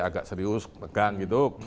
agak serius megang gitu